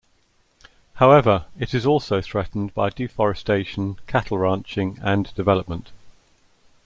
However, it also is threatened by deforestation, cattle ranching, and development.